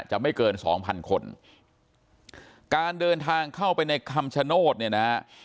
ไม่เกินสองพันคนการเดินทางเข้าไปในคำชโนธเนี่ยนะฮะ